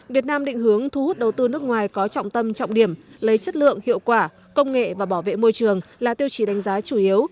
việt nam định hướng thu hút đầu tư nước ngoài có trọng tâm trọng điểm lấy chất lượng hiệu quả công nghệ và bảo vệ môi trường là tiêu chí đánh giá chủ yếu